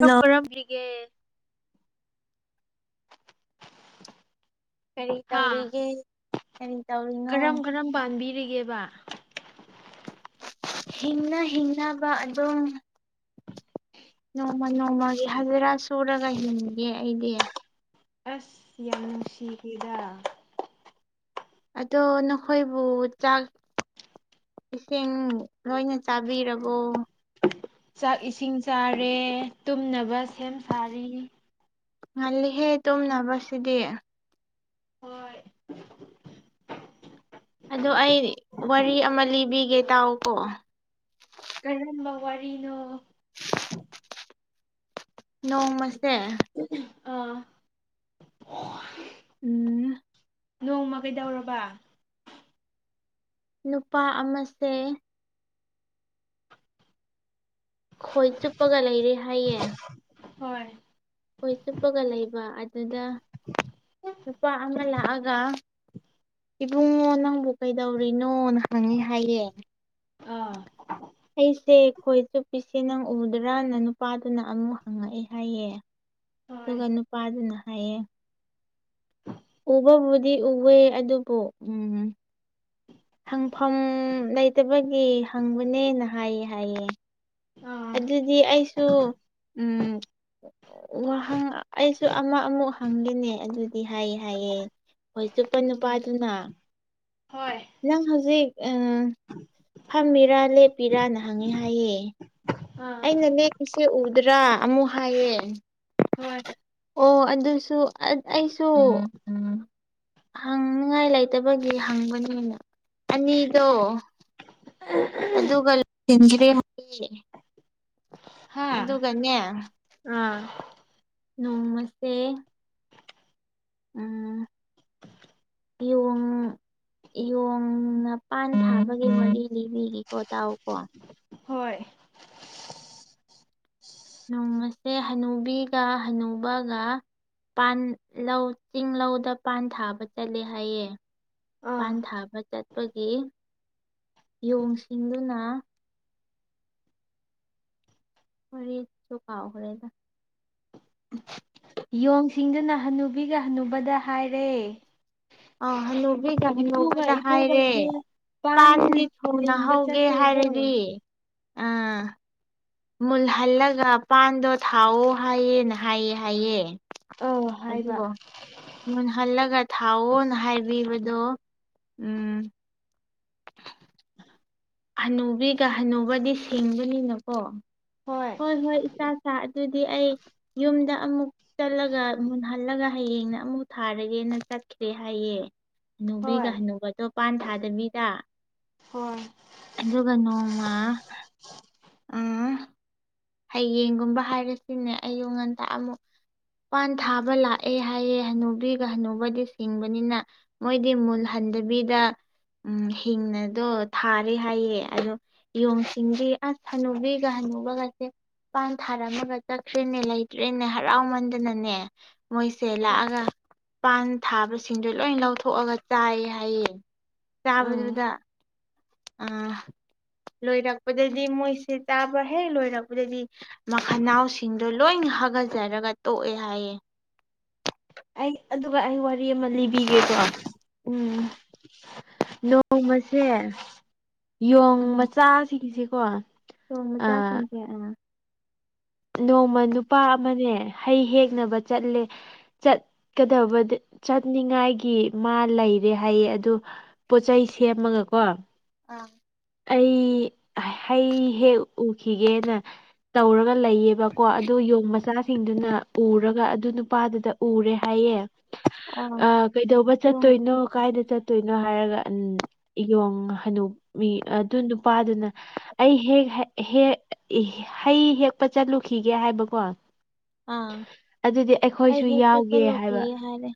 [unintelligible] ꯀꯔꯝꯒ꯭ꯔꯤꯒꯦ ꯀꯔꯤ ꯍꯥ ꯇꯧꯔꯤꯒꯦ ꯀꯔꯤ ꯀꯔꯝ ꯇꯧꯔꯤꯅꯣ ꯀꯔꯝ ꯄꯥꯟꯕꯤꯔꯤꯒꯦꯕ ꯍꯤꯡꯅ ꯍꯤꯡꯅꯕ ꯑꯗꯨꯝ ꯅꯣꯡꯃ ꯅꯣꯡꯃꯒꯤ ꯍꯖꯤꯔꯥ ꯁꯨꯔꯒ ꯍꯤꯡꯉꯤꯌ‌ꯦ ꯑꯩꯗꯤ ꯑꯁ ꯌꯥꯝ ꯅꯨꯡꯁꯤꯈꯤꯗ ꯑꯗꯣ ꯅꯈꯣꯏꯕꯨ ꯆꯥꯛ ꯏꯁꯤꯡ ꯂꯣꯏꯅ ꯆꯥꯕꯤꯔꯕꯣ ꯆꯥꯛ ꯏꯁꯤꯡ ꯆꯥꯔꯦ ꯇꯨꯝꯅꯕ ꯁꯦꯝ ꯁꯥꯔꯤ ꯉꯜꯂꯤꯍꯦ ꯇꯨꯝꯅꯕꯁꯤꯗꯤ ꯍꯣꯏ ꯑꯗꯣ ꯑꯩ ꯋꯥꯔꯤ ꯑꯃ ꯂꯤꯕꯤꯒꯦ ꯇꯥꯎꯀꯣ ꯀꯔꯝꯕ ꯋꯥꯔꯤꯅꯣ ꯅꯣꯡꯃꯁꯦ ꯑꯥ [inaudible] ꯎꯝ ꯅꯣꯡꯃ ꯀꯩꯗꯧꯔꯕ ꯅꯨꯄꯥ ꯑꯃꯁꯦ ꯈꯣꯏ ꯆꯨꯞꯄꯒ ꯂꯩꯔꯦ ꯍꯥꯏꯌꯦ ꯍꯣꯏ ꯈꯣꯏ ꯆꯨꯞꯄꯒ ꯂꯩꯕ ꯑꯗꯨꯗ ꯅꯨꯄꯥ ꯑꯃ ꯂꯥꯛꯑꯒ ꯏꯕꯨꯡꯉꯣ ꯅꯪꯕꯨ ꯀꯩꯗꯧꯔꯤꯅꯣꯅ ꯍꯪꯉꯤ ꯍꯥꯏꯌꯦ ꯑꯥ ꯑꯩꯁꯦ ꯈꯣꯏ ꯆꯨꯞꯄꯤꯁꯦ ꯅꯪ ꯎꯗ꯭ꯔꯅ ꯅꯨꯄꯥꯗꯨꯅ ꯑꯃꯨꯛ ꯍꯪꯉꯛꯑꯦ ꯍꯥꯏꯌꯦ ꯍꯣꯏ ꯑꯗꯨꯒ ꯅꯨꯄꯥꯗꯨꯅ ꯍꯥꯏꯌꯦ ꯎꯕꯕꯨꯗꯤ ꯎꯋꯦ ꯑꯗꯨꯕꯨ ꯎꯝ ꯍꯪꯐꯝ ꯂꯩꯇꯕꯒꯤ ꯍꯪꯕꯅꯦꯅ ꯍꯥꯏꯌꯦ ꯍꯥꯏꯌꯦ ꯑꯥ ꯑꯗꯨꯗꯤ ꯑꯩꯁꯨ ꯎꯝ ꯋꯥꯍꯪ ꯑꯩꯁꯨ ꯑꯃ ꯑꯃꯨꯛ ꯍꯪꯒꯦꯅꯦ ꯑꯗꯨ ꯍꯥꯏ ꯍꯥꯏꯑꯦ ꯈꯣꯏ ꯆꯨꯞꯄ ꯎꯝ ꯅꯨꯄꯥꯗꯨꯅ ꯍꯣꯏ ꯅꯪ ꯍꯧꯖꯤꯛ ꯑ ꯐꯝꯃꯤꯔꯥ ꯂꯦꯞꯄꯤꯔꯅ ꯍꯪꯉꯦ ꯍꯥꯏꯌꯦ ꯑꯥ ꯑꯩꯅ ꯂꯦꯞꯄꯤꯁꯦ ꯎꯗꯔꯥ ꯑꯃꯨꯛ ꯍꯥꯏꯌꯦ ꯍꯣꯏ ꯑꯣ ꯑꯗꯨꯁꯨ ꯑꯠ ꯑꯩꯁꯨ ꯍꯪꯅꯉꯥꯏ ꯂꯩꯇꯕꯒꯤ ꯍꯪꯕꯅꯤꯅ ꯑꯅꯤꯗꯣ ꯑꯗꯨꯒ [unintelligible] ꯍꯥꯌꯦ ꯍꯥꯥ ꯑꯗꯨꯒꯅꯦ ꯑꯥ ꯅꯣꯡꯃꯁꯦ ꯎꯝ ꯌꯣꯡ ꯌꯣꯡꯅ ꯄꯥꯟ ꯊꯥꯕꯒꯤ ꯋꯥꯔꯤ ꯂꯤꯕꯤꯒꯤꯀꯣ ꯇꯥꯎꯀꯣ ꯍꯣꯏ ꯅꯣꯡꯃꯁꯦ ꯍꯅꯨꯕꯤꯒ ꯍꯅꯨꯕꯒ ꯄꯥꯟ ꯂꯧ ꯆꯤꯡ ꯂꯧꯗ ꯄꯥꯟ ꯊꯥꯕ ꯆꯠꯂꯦ ꯍꯥꯏꯌꯦ ꯑꯥ ꯄꯥꯟ ꯊꯥꯕ ꯆꯠꯄꯒꯤ ꯌꯣꯡ ꯁꯤꯡꯗꯨꯅ ꯋꯔꯤꯁꯨ ꯀꯥꯎꯈꯔꯦꯗ ꯌꯣꯡꯁꯤꯡꯗꯨꯅ ꯍꯟꯅꯨꯕꯤꯒ ꯍꯟꯅꯨꯕꯗ ꯍꯥꯏꯔꯦ ꯑꯥ ꯍꯅꯨꯕꯤꯒ ꯏꯄꯨꯒ ꯍꯅꯨꯕꯗ ꯍꯥꯏꯔꯦ ꯏꯕꯣꯛꯒꯁꯦ ꯄꯥꯟ ꯄꯥꯥꯟꯗꯤ ꯊꯨꯅ ꯂꯤꯡꯕ ꯍꯧꯒꯦ ꯆꯠꯇꯣꯏꯔꯣ ꯍꯥꯏꯔꯗꯤ ꯑ ꯃꯨꯜꯍꯜꯂꯒ ꯄꯥꯟꯗꯣ ꯊꯥꯎꯑꯣ ꯍꯥꯏꯌꯦꯅ ꯍꯥꯏ ꯍꯥꯏꯌꯦ ꯑꯧ ꯍꯥꯏꯕ ꯑꯗꯨꯑꯣ ꯃꯨꯟꯍꯜꯂꯒ ꯊꯥꯎꯑꯣꯅ ꯍꯥꯏꯕꯤꯕꯗꯣ ꯎꯝ ꯍꯅꯨꯕꯤꯒ ꯍꯅꯨꯧꯕꯗꯤ ꯁꯤꯡꯕꯅꯤꯅꯀꯣ ꯍꯣꯏ ꯍꯣꯏ ꯏꯆꯥ ꯁꯥ ꯑꯗꯨꯗꯤ ꯑꯩ ꯌꯨꯝꯗ ꯑꯃꯨꯛ ꯆꯠꯂꯒ ꯃꯨꯟꯍꯜꯂꯒ ꯍꯌꯦꯡꯅ ꯑꯃꯨꯛ ꯊꯥꯔꯒꯦꯅ ꯆꯠꯈ꯭ꯔꯦ ꯍꯥꯏꯌꯦ ꯑꯅꯨꯕꯤꯒ ꯍꯣꯏ ꯍꯅꯨꯕꯗꯣ ꯄꯥꯟ ꯊꯥꯗꯕꯤꯗ ꯍꯣꯏ ꯑꯗꯨꯒ ꯅꯣꯃꯥ ꯎꯝ ꯍꯌꯦꯡꯒꯨꯝꯕ ꯍꯥꯏꯔꯁꯤꯅꯦ ꯑꯌꯨ ꯉꯟꯇ ꯑꯃꯨꯛ ꯄꯥꯟ ꯊꯥꯕ ꯂꯥꯛꯑꯦ ꯍꯥꯏꯌꯦ ꯍꯅꯨꯕꯤꯒ ꯍꯅꯨꯕꯗꯤ ꯁꯤꯡꯕꯅꯤꯅ ꯃꯣꯏꯗꯤ ꯃꯨꯜꯍꯟꯗꯕꯤꯗ ꯎꯝ ꯍꯤꯡꯅꯗꯣ ꯊꯥꯔꯦ ꯍꯥꯏꯌꯦ ꯑꯗꯣ ꯌꯣꯡ ꯁꯤꯡꯗꯤ ꯑꯁ ꯍꯅꯨꯕꯤꯒ ꯍꯅꯨꯕꯒꯁꯦ ꯃꯄꯥꯟ ꯊꯥꯔꯝꯃꯒ ꯆꯠꯈ꯭ꯔꯦꯅꯦ ꯂꯩꯇ꯭ꯔꯦꯅꯦ ꯍꯔꯥꯎꯃꯟꯗꯅꯅꯦ ꯃꯣꯏꯁꯦ ꯍꯣꯏ ꯂꯥꯛꯑꯒ ꯄꯥꯟ ꯊꯥꯕꯁꯤꯡꯗꯣ ꯂꯣꯏꯟ ꯂꯧꯊꯣꯛꯑꯒ ꯆꯥꯌꯦ ꯍꯥꯏꯌꯦ ꯎꯝ ꯆꯥꯕꯗꯨꯗ ꯑ ꯂꯣꯏꯔꯛꯄꯗꯗꯤ ꯃꯣꯏꯁꯦ ꯆꯥꯕ ꯍꯦꯛ ꯂꯣꯏꯔꯛꯄꯗꯗꯤ ꯃꯈꯅꯥꯎꯁꯤꯡꯗꯣ ꯂꯣꯏꯟ ꯍꯥꯒꯆꯔꯒ ꯇꯣꯛꯑꯦ ꯍꯥꯏꯌꯦ ꯑꯩ ꯑꯗꯨꯒ ꯑꯩ ꯋꯥꯔꯤ ꯑꯃ ꯂꯤꯕꯤꯒꯦꯀꯣ ꯅꯣꯡ ꯎꯝ ꯅꯣꯡꯃꯁꯦ ꯌꯣꯡ ꯎꯝ ꯃꯆꯥꯁꯤꯡꯁꯦꯀꯣ ꯌꯣꯡ ꯃꯆꯥꯥꯁꯤꯡꯁꯦ ꯑꯥ ꯅꯣꯡꯃ ꯅꯨꯄꯥ ꯑꯃꯅꯦ ꯍꯩ ꯍꯦꯛꯅꯕ ꯆꯠꯂꯦ ꯆꯠꯀꯗꯕꯗ ꯆꯠꯅꯤꯡꯉꯥꯏꯒꯤ ꯃꯥ ꯂꯩꯔꯦ ꯍꯥꯏꯌꯦ ꯑꯗꯨ ꯄꯣꯠ ꯆꯩꯩ ꯁꯦꯝꯃꯒ ꯀꯣ ꯑꯥ ꯑꯩ ꯍꯩ ꯍꯦꯛ ꯎꯈꯤꯒꯦꯅ ꯇꯧꯔꯒ ꯂꯩꯌꯦꯕꯀꯣ ꯑꯗꯨ ꯌꯣꯡ ꯃꯆ ꯆꯥꯁꯤꯡꯗꯨꯅ ꯎꯔꯒ ꯑꯗꯨ ꯅꯨꯄꯥꯗꯨꯗ ꯎꯔꯦ ꯍꯥꯏꯌꯦ ꯑꯥ ꯑ ꯀꯩꯗꯧꯕ ꯌꯣꯡ ꯆꯠꯇꯣꯏꯅꯣ ꯀꯥꯏꯗ ꯆꯠ ꯇꯣꯏꯅꯣ ꯍꯥꯏꯔꯒ ꯌꯣꯡ ꯍꯅꯨ ꯕꯤ ꯑꯗꯨ ꯅꯨꯄꯥꯗꯨꯅ ꯑꯩ ꯍꯦꯛ ꯍ ꯍꯦꯛ ꯍꯩ ꯍꯦꯛꯄ ꯆꯠꯂꯨꯈꯤꯒꯦ ꯍꯥꯏꯕꯀꯣ ꯑꯥ ꯑꯗꯨꯗꯤ ꯑꯩ ꯑꯩꯈꯣꯏꯁꯨ ꯍꯦꯛꯄ ꯌꯥꯎꯒꯦ ꯍꯥꯏꯕ ꯆꯠꯂꯨꯈꯤꯒꯦ ꯍꯥꯏꯔꯦ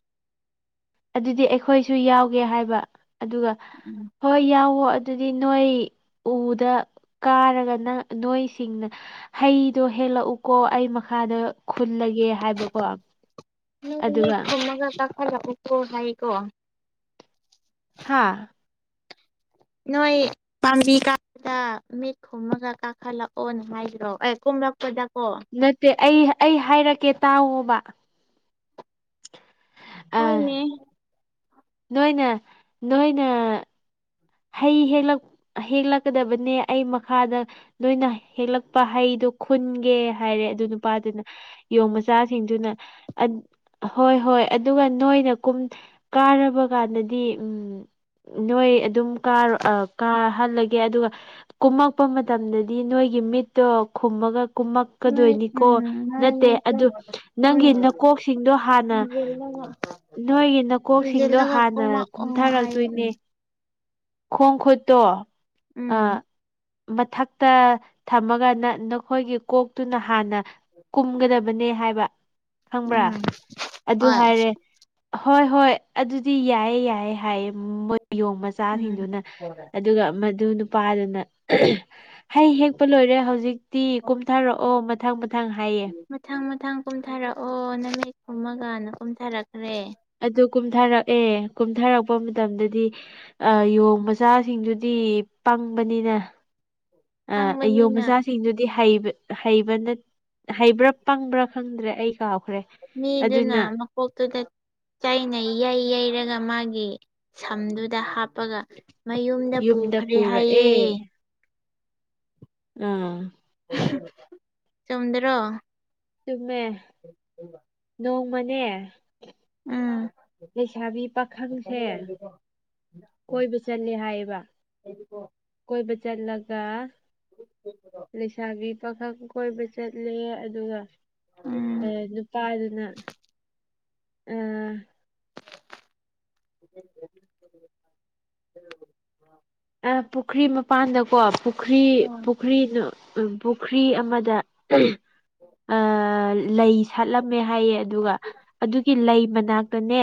ꯑꯗꯨꯗꯤ ꯑꯩꯈꯣꯏꯁꯨ ꯌꯥꯎꯒꯦ ꯍꯥꯏꯕ ꯑꯗꯨꯒ ꯎꯝ ꯍꯣꯏ ꯌꯥꯎꯋꯣ ꯑꯗꯨꯗꯤ ꯅꯣꯏ ꯎꯗ ꯀꯥꯔꯒ ꯅ ꯅꯣꯏꯁꯤꯡꯅ ꯍꯩꯗꯣ ꯍꯦꯛꯂꯛꯎꯀꯣ ꯑꯩ ꯃꯈꯥꯗ ꯈꯨꯜꯂꯒꯦ ꯍꯥꯏꯕꯀꯣ ꯍꯣꯢꯌꯦ ꯑꯗꯨꯒ ꯈꯨꯝꯃꯒ ꯀꯥꯈꯠꯂꯛꯎꯀꯣ ꯍꯥꯏꯌꯦꯀꯣ ꯍꯥꯥ ꯅꯣꯏ ꯄꯥꯝꯕꯤ ꯀꯥꯕꯗ ꯃꯤꯠ ꯈꯨꯝꯃꯒ ꯀꯥꯈꯠꯂꯛꯑꯣꯅ ꯍꯥꯏꯗ꯭ꯔꯣ ꯑꯦ ꯀꯨꯝꯂꯛꯄꯗꯀꯣ ꯅꯠꯇꯦ ꯑꯩ ꯑꯩ ꯍꯥꯏꯔꯛꯀꯦ ꯇꯥꯑꯣꯕ ꯑ ꯍꯣꯏꯅꯦ ꯅꯣꯏꯅ ꯅꯣꯏꯅ ꯍꯩ ꯍꯦꯛꯂꯛ ꯍꯦꯛꯂꯛꯀꯗꯕꯅꯦ ꯑꯩ ꯃꯈꯥꯗ ꯅꯣꯏꯅ ꯍꯦꯛꯂꯛꯄ ꯍꯩꯗꯨ ꯈꯨꯟꯒꯦ ꯍꯥꯏꯔꯦ ꯑꯗꯨ ꯅꯨꯄꯥꯗꯨꯅ ꯌꯣꯡ ꯃꯆꯥꯁꯤꯡꯗꯨꯅ ꯑꯗ ꯍꯣꯏ ꯍꯣꯏ ꯑꯗꯨꯒ ꯅꯣꯏꯅ ꯀꯨꯝ ꯀꯥꯔꯕ ꯀꯥꯟꯗꯗꯤ ꯎꯝ ꯅꯣꯏ ꯑꯗꯨꯝ ꯀꯥꯔꯣ ꯀꯥꯍꯜꯂꯒꯦ ꯑꯗꯨꯒ ꯀꯨꯝꯃꯛꯄ ꯃꯇꯝꯗꯗꯤ ꯅꯣꯏꯒꯤ ꯃꯤꯠ ꯇꯣ ꯈꯨꯝꯃꯒ ꯅꯣꯏ ꯀꯨꯝꯃꯛꯀꯗꯣꯏꯅꯤꯀꯣ ꯎꯝ ꯅꯣꯏ ꯅꯠꯇꯦ ꯃꯤꯠꯇꯣ ꯑꯗꯨ ꯈꯨꯝ ꯅꯪꯒꯤ ꯅꯀꯣꯛꯁꯤꯡꯗꯣ ꯍꯥꯟꯅ ꯈꯨꯝꯖꯤꯜꯂꯒ ꯅꯣꯏꯒꯤ ꯅꯀꯣꯛꯁꯤꯡꯗꯣ ꯈꯨꯝꯖꯤꯜꯂꯒ ꯍꯥꯟꯅ ꯀꯨꯝꯃꯛꯑꯣ ꯍꯥꯏꯌꯦ ꯀꯨꯝꯊꯔꯛꯇꯣꯏꯅꯦ ꯎꯝ ꯈꯣꯡ ꯈꯨꯠꯇꯣ ꯎꯝ ꯑꯥ ꯃꯊꯛꯇ ꯊꯝꯃꯒ ꯅ ꯅꯈꯣꯏꯒꯤ ꯀꯣꯛꯇꯨꯅ ꯍꯥꯟꯅ ꯀꯨꯝꯒꯗꯕꯅꯦ ꯍꯥꯏꯕ ꯈꯪꯕ꯭ꯔꯥ ꯎꯝ ꯑꯗꯨ ꯍꯣꯏ ꯍꯥꯏꯔꯦ ꯍꯣꯏ ꯍꯣꯏ ꯑꯗꯨꯗꯤ ꯌꯥꯏꯌꯦ ꯌꯥꯏꯌꯦ ꯍꯥꯏꯌꯦ ꯃꯣꯏ ꯌꯣꯡ ꯃꯆ ꯎꯝ ꯃꯆꯥꯁꯤꯡꯗꯨꯅ ꯑꯗꯨꯒ ꯃꯗꯨ ꯅꯨꯄꯥꯗꯨꯅ [unintelligible] ꯍꯩ ꯍꯦꯛꯄ ꯂꯣꯏꯔꯦ ꯍꯧꯖꯤꯛꯇꯤ ꯀꯨꯝꯊꯔꯛꯑꯣ ꯃꯊꯪ ꯃꯊꯪ ꯍꯥꯏꯌꯦ ꯃꯊꯪ ꯃꯊꯪ ꯀꯨꯝꯊꯔꯛꯑꯣ ꯅꯃꯤꯠ ꯈꯨꯝꯃꯒꯅ ꯀꯨꯝꯊꯔꯛꯈ꯭ꯔꯦ ꯑꯗꯨ ꯀꯨꯝꯊꯔꯛꯑꯦ ꯀꯨꯝꯊꯔꯛꯄ ꯃꯇꯝꯗꯗꯤ ꯑ ꯌꯣꯡ ꯃꯆꯥꯁꯤꯡꯗꯨꯗꯤ ꯄꯪꯕꯅꯤꯅ ꯑ ꯌꯣ ꯈꯪꯕꯅꯤꯅ ꯃꯆꯥ ꯁꯤꯡꯗꯨꯗꯤ ꯍꯩꯕ ꯍꯩꯕꯅ ꯍꯩꯕ꯭ꯔꯥ ꯄꯪꯕ꯭ꯔꯥ ꯈꯪꯗ꯭ꯔꯦ ꯑꯩ ꯀꯥꯎꯈ꯭ꯔꯦ ꯃꯤꯗꯨꯅ ꯑꯗꯨꯅ ꯑꯃꯨꯛ ꯀꯣꯛꯇꯨꯗ ꯆꯩꯅ ꯌꯩ ꯌꯩꯔꯒ ꯃꯥꯒꯤ ꯁꯝꯗꯨꯗ ꯍꯥꯞꯄꯒ ꯃꯌꯨꯝꯗ ꯌꯨꯝꯗ ꯄꯨꯈꯔꯦ ꯍꯥꯏꯌꯦ ꯄꯨꯔꯛꯑꯦ ꯑꯥ ꯆꯨꯝꯗꯔꯣ ꯆꯨꯝꯃꯦ ꯅꯣꯡꯃꯅꯦ ꯎꯝ ꯂꯩꯁꯥꯕꯤ ꯄꯥꯈꯪꯁꯦ ꯀꯣꯏꯕ ꯆꯠꯂꯦ ꯍꯥꯏꯌꯦꯕ ꯀꯣꯏꯕ ꯆꯠꯂꯒ ꯂꯩꯁꯥꯕꯤ ꯄꯥꯈꯪ ꯀꯣꯏꯕ ꯆꯠꯂꯦ ꯑꯗꯨꯒ ꯎꯝ ꯑꯦ ꯅꯨꯄꯥꯗꯨꯅ [inaudible] ꯎꯝ [unintelligible] ꯑ ꯄꯨꯈ꯭ꯔꯤ ꯃꯄꯥꯟꯗꯀꯣ ꯄꯨꯈ꯭ꯔꯤ ꯄꯨ ꯍꯣꯏ ꯄꯨꯈ꯭ꯔꯤꯅꯨ ꯄꯨꯈ꯭ꯔꯤ ꯑꯃꯗ [inaudible] ꯑꯥ ꯂꯩ ꯁꯥꯠꯂꯝꯃꯦ ꯍꯥꯏꯌꯦ ꯑꯗꯨꯒ ꯑꯗꯨꯒꯤ ꯂꯩ ꯃꯅꯥꯛꯇꯅꯦ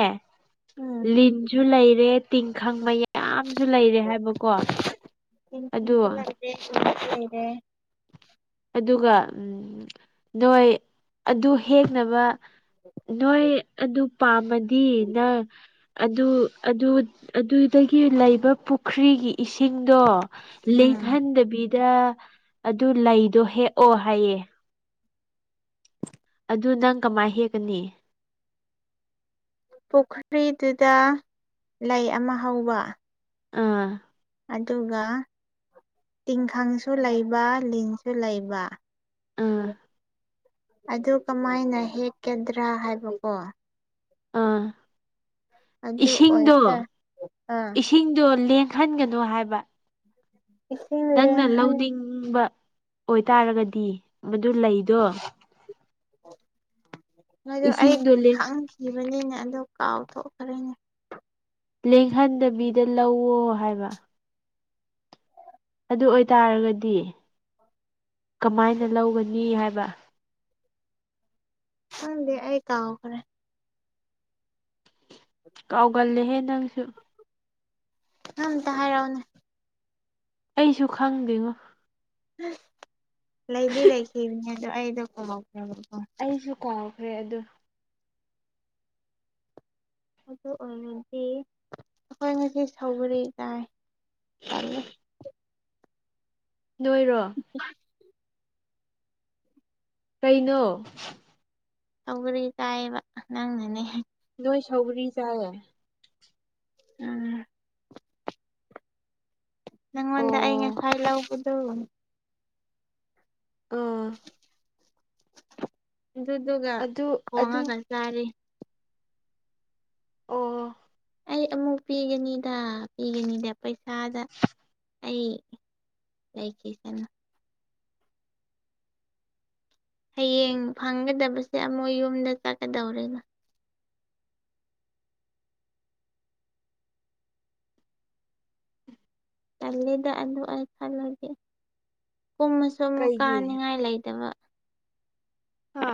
ꯎꯝ ꯂꯤꯟꯁꯨ ꯂꯩꯔꯦ ꯇꯤꯡꯈꯪ ꯃꯌꯥ ꯌꯥꯝꯁꯨ ꯂꯩꯔꯦ ꯍꯥꯏꯕꯀꯣ ꯑꯗꯨ ꯇꯦꯟꯁꯟꯁꯨ [unintelligible] ꯑꯗꯨꯒ ꯅꯣꯏ ꯑꯗꯨ ꯍꯦꯛꯅꯕ ꯅꯣꯏ ꯑꯗꯨ ꯄꯥꯝꯃꯗꯤ ꯅꯪ ꯑꯗꯨ ꯑꯗꯨꯗꯒꯤ ꯂꯩꯕ ꯄꯨꯈ꯭ꯔꯤꯒꯤ ꯏꯁꯤꯡꯗꯣ ꯎꯝ ꯂꯦꯡꯍꯟꯗꯕꯤꯗ ꯑꯗꯨ ꯂꯩ ꯇꯣ ꯍꯦꯛ ꯑꯣ ꯍꯥꯏꯌꯦ ꯑꯗꯨ ꯅꯪ ꯀꯃꯥꯏ ꯍꯦꯛꯀꯅꯤ ꯄꯨꯈ꯭ꯔꯤꯗꯨꯗ ꯂꯩ ꯑꯃ ꯍꯧꯕ ꯑꯥ ꯑꯗꯨꯒ ꯇꯤꯡꯈꯪꯁꯨ ꯂꯩꯕ ꯂꯤꯟꯁꯨ ꯂꯩꯕ ꯑꯥ ꯑꯗꯨ ꯀꯃꯥꯏꯅ ꯍꯦꯛꯀꯗ꯭ꯔꯥ ꯍꯥꯏꯕꯀꯣ ꯑꯥ ꯑꯗꯨ ꯑꯣꯏꯇ ꯑ ꯁꯤꯡꯗꯣ ꯂꯦꯡꯍꯟꯒꯅꯨ ꯍꯥꯏꯕ ꯏꯁꯤꯡ ꯅꯪꯅ ꯂꯦꯡꯍꯟ ꯂꯧꯅꯤꯡꯕ ꯑꯣꯏꯇꯥꯔꯒꯗꯤ ꯃꯗꯨ ꯂꯩꯗꯣ ꯃꯗꯨ ꯑꯩ ꯏꯁꯤꯡꯗꯣ ꯈꯪꯈꯤꯕꯅꯤꯅꯦ ꯑꯗꯨ ꯀꯥꯎꯊꯣꯛꯈ꯭ꯔꯦꯅꯦ ꯂꯦꯡꯍꯟꯗꯕꯤꯗ ꯂꯧꯋꯣ ꯍꯥꯏꯕ ꯑꯗꯨ ꯑꯣꯏꯇꯥꯔꯒꯗꯤ ꯀꯃꯥꯏꯅ ꯂꯧꯒꯅꯤ ꯍꯥꯏꯕ ꯈꯪꯗꯦ ꯑꯩ ꯀꯥꯎꯈꯔꯦ ꯀꯥꯎꯒꯜꯂꯦꯍꯦ ꯅꯪꯁꯨ ꯅꯪ ꯑꯝꯇ ꯍꯥꯏꯔꯛꯑꯣꯅꯦ ꯑꯩꯁꯨ ꯈꯪꯗꯦꯉꯣ ꯂꯩꯗꯤ ꯂꯩꯈꯤꯕꯅꯦ ꯑꯗꯣ ꯑꯩꯗꯣ ꯀꯥꯎꯈꯥ꯭ꯔꯕꯀꯣ ꯑꯩꯁꯨ ꯀꯥꯎꯈ꯭ꯔꯦ ꯑꯗꯨ ꯑꯗꯨ ꯑꯣꯏꯔꯗꯤ ꯑꯈꯣꯏ ꯉꯁꯤ ꯁꯧꯒꯤꯔꯤ ꯆꯥꯏ ꯇꯟꯂꯦ ꯅꯣꯏꯔꯣ [unintelligible] ꯀꯩꯅꯣ ꯁꯧꯒꯥꯔꯤ ꯆꯥꯏꯕ ꯅꯪꯅꯅꯤ ꯅꯣꯏ ꯁꯥꯎꯒ꯭ꯔꯤ ꯆꯥꯌꯦ ꯎꯝ ꯅꯪꯉꯣꯟꯗ ꯑꯩ ꯑꯣ ꯉꯁꯥꯏ ꯂꯧꯕꯗꯣ ꯑꯥ ꯑꯗꯨꯗꯨꯒꯥ ꯑꯗꯨ ꯑꯗꯨ ꯊꯣꯡꯉꯒꯥ ꯆꯥꯔꯤ ꯑꯣ ꯑꯩ ꯑꯃꯨꯛ ꯄꯤꯒꯥꯅꯤꯗ ꯄꯤꯒꯥꯅꯤꯗ ꯄꯩꯁꯥꯗ ꯑꯩ ꯂꯩꯈꯤꯁꯥꯅꯨ ꯍꯌꯦꯡ ꯐꯪꯒꯗꯕꯁꯦ ꯑꯃꯨꯛ ꯌꯨꯝꯗꯥ ꯆꯠꯀꯥꯗꯧꯔꯦꯗ ꯇꯜꯂꯤꯗꯥ ꯑꯗꯨ ꯑꯩ ꯈꯜꯂꯒꯦ ꯀꯨꯝꯃꯁꯨ ꯑꯃꯨꯛ ꯀꯩꯒꯤ ꯀꯥꯅꯤꯡꯉꯥꯏ ꯂꯩꯇꯕ ꯍꯥ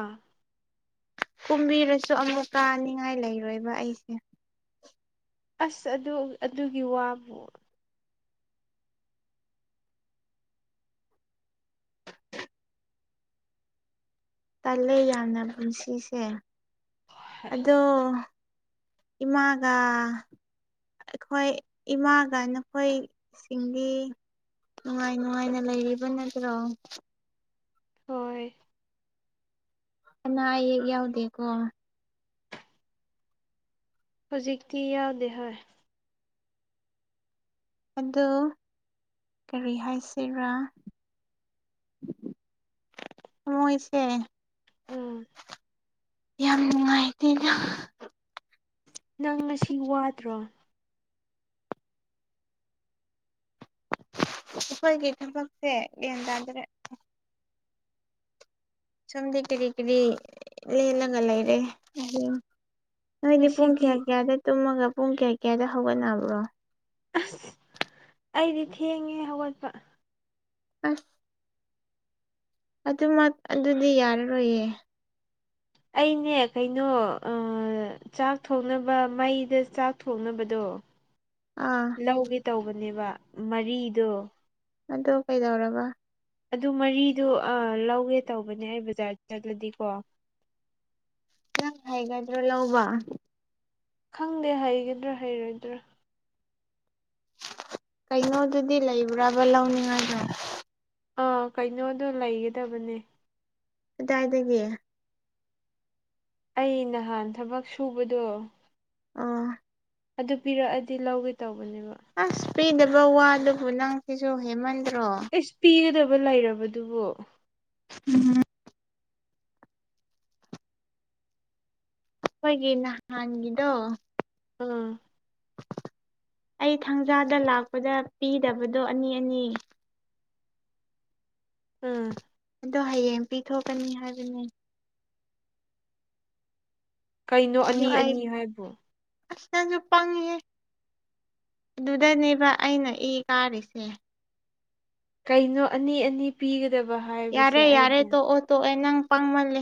ꯀꯨꯝꯕꯤꯔꯥꯁꯨ ꯑꯃꯨꯛ ꯀꯥꯅꯤꯡꯉꯥꯏ ꯂꯩꯔꯣꯏꯕ ꯑꯩꯁꯦ ꯑꯁ ꯑꯗꯨ ꯑꯗꯨꯒꯤ ꯋꯥꯕꯨ ꯇꯜꯂꯦ ꯌꯥꯝꯅ ꯄꯨꯟꯁꯤꯁꯦ ꯑꯗꯣ ꯏꯃꯥꯒꯥ ꯑꯩꯈꯣꯏ ꯏꯃꯥꯒꯥ ꯅꯈꯣꯏ ꯁꯤꯡꯗꯤ ꯅꯨꯡꯉꯥꯏ ꯅꯨꯡꯉꯥꯏꯅ ꯂꯩꯔꯤꯕ ꯅꯠꯇ꯭ꯔꯣ ꯍꯣꯏ ꯑꯅꯥ ꯑꯌꯦꯛ ꯌꯥꯎꯗꯦꯀꯣ ꯍꯨꯖꯤꯛꯇꯤ ꯌꯥꯎꯗꯦ ꯍꯣꯏ ꯑꯗꯣ ꯀꯔꯤ ꯍꯥꯏꯁꯤꯔꯥ ꯃꯣꯏꯁꯦ ꯎꯝ ꯌꯥꯝ ꯅꯨꯡꯉꯥꯏꯇꯦꯗ ꯅꯪ ꯉꯁꯤ ꯋꯥꯗ꯭ꯔꯣ ꯑꯩꯈꯣꯏꯒꯤ ꯊꯕꯛꯁꯦ ꯒ꯭ꯌꯥꯟ ꯇꯥꯗ꯭ꯔꯦ ꯁꯣꯝꯗꯤ ꯀꯔꯤ ꯀꯔꯤ ꯂꯦꯜꯂꯒꯥ ꯂꯩꯔꯦ [unintelligible] ꯅꯣꯏꯗꯤ ꯄꯨꯡ ꯉꯁꯤꯗꯤ ꯀꯌꯥ ꯀꯌꯥꯗ ꯇꯨꯝꯃꯒꯥ ꯄꯨꯡ ꯀꯌꯥ ꯀꯌꯥꯗ ꯍꯧꯒꯠꯕ꯭ꯔꯣ ꯑꯁ ꯑꯩꯗꯤ ꯊꯦꯡꯉꯦ ꯍꯧꯒꯠꯄ [unintelligible] ꯑꯗꯨꯃꯛ ꯑꯗꯨꯗꯤ ꯌꯥꯔꯔꯣꯏꯌꯦ ꯑꯩꯅꯦ ꯀꯩꯅꯣ ꯑꯥ ꯑꯥ ꯆꯥꯛ ꯊꯣꯡꯅꯕ ꯃꯩꯗ ꯆꯥꯛ ꯊꯣꯡꯅꯕꯗꯣ ꯑꯥ ꯂꯧꯒꯦ ꯇꯧꯕꯅꯦꯕ ꯃꯔꯤꯗꯣ ꯑꯗꯣ ꯀꯩꯗꯧꯔꯕ ꯑꯗꯨ ꯃꯔꯤꯗꯨ ꯑꯥ ꯂꯧꯒꯦ ꯇꯧꯕꯅꯦ ꯑꯩ ꯕꯖꯥꯔ ꯆꯠꯂꯗꯤꯀꯣ ꯅꯪ ꯍꯩꯒꯗ꯭ꯔꯣ ꯂꯧꯕ ꯈꯪꯗꯦ ꯍꯩꯒꯗ꯭ꯔꯥ ꯍꯩꯔꯣꯏꯗ꯭ꯔꯥ ꯀꯩꯅꯣꯗꯨꯗꯤ ꯂꯩꯕ꯭ꯔꯕ ꯂꯧꯅꯤꯡꯉꯥꯏꯗꯣ ꯑꯥ ꯀꯩꯅꯣꯗꯣ ꯂꯩꯒꯗꯕꯅꯦ ꯑꯗꯥꯏꯗꯒꯤ ꯑꯩ ꯅꯍꯥꯟ ꯊꯕꯛ ꯁꯨꯕꯗꯣ ꯑꯥ ꯑꯗꯨ ꯄꯤꯔꯛꯑꯗꯤ ꯂꯧꯒꯦ ꯇꯧꯕꯅꯦꯕ ꯑꯁ ꯄꯤꯗꯕ ꯋꯥꯗꯨꯕꯨ ꯅꯪ ꯁꯤꯁꯨ ꯍꯦꯃꯟꯗ꯭ꯔꯣ ꯏꯁ ꯄꯤꯒꯗꯕ ꯂꯩꯔꯕꯗꯨꯕꯣ ꯎꯝ ꯑꯈꯣꯏꯒꯤ ꯅꯍꯥꯟꯒꯤꯗꯣ ꯎꯝ ꯑꯩ ꯊꯥꯡꯖꯥꯗ ꯂꯥꯛꯄꯗ ꯄꯤꯗꯕꯗꯣ ꯑꯅꯤ ꯑꯅꯤ ꯎꯝ ꯑꯗꯣ ꯍꯌꯦꯡ ꯄꯤꯊꯣꯛꯀꯅꯤ ꯍꯥꯏꯕꯅꯦ ꯀꯩꯅꯣ ꯑꯗꯨ ꯑꯅꯤ ꯑꯩ ꯑꯅꯤ ꯍꯥꯏꯕꯣ ꯑꯁ ꯅꯪꯁꯨ ꯄꯪꯉꯤꯍꯦ ꯑꯗꯨꯗꯅꯦꯕ ꯑꯩꯅ ꯏ ꯀꯥꯔꯤꯁꯦ ꯀꯩꯅꯣ ꯑꯅꯤ ꯑꯅꯤ ꯄꯤꯒꯗꯕ ꯍꯥꯏ ꯌꯥꯔꯦ ꯌꯥꯔꯦ ꯇꯣꯛꯑꯣ ꯇꯣꯛꯑꯦ ꯅꯪ ꯄꯥꯡꯃꯜꯂꯦ